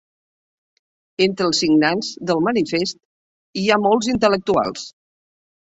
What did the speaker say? Entre els signants del manifest hi ha molts intel·lectuals.